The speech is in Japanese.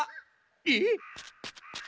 えっ？